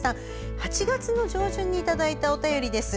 ８月の上旬にいただいたお便りです。